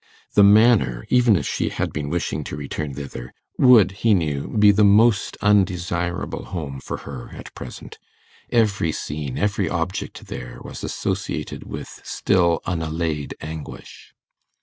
The Manor, even if she had been wishing to return thither, would, he knew, be the most undesirable home for her at present: every scene, every object there, was associated with still unallayed anguish.